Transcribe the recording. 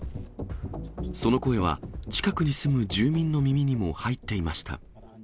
その声は、近くに住む住民の耳にも入っていました。